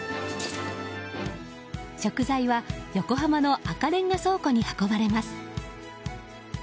食材は横浜の赤レンガ倉庫に運ばれます。